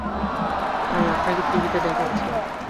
ভাই, আপনাকে টিভিতে দেখাচ্ছে।